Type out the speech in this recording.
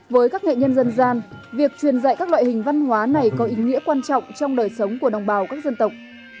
với các nghệ nhân dân gian việc truyền dạy các loại hình văn hóa này có ý nghĩa quan trọng trong đời sống của đồng bào các dân tộc